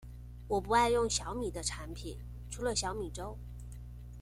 我不愛用小米的產品，除了小米粥